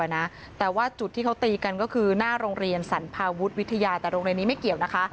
นั่นก็คือหน้าโรงเรียนสรรพาวุฒน์วิทยาแต่โรงเรียนนี้ไม่เกี่ยวนะคะ